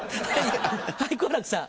はい好楽さん。